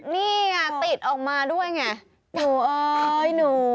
นี่อ่ะติดออกมาด้วยไง